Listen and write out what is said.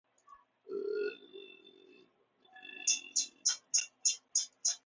Bangladesh, officially the People's Republic of Bangladesh, is a country in South Asia.